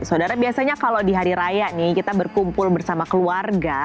saudara biasanya kalau di hari raya nih kita berkumpul bersama keluarga